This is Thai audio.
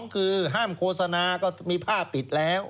คือห้ามโฆษณาก็มีผ้าปิดแล้ว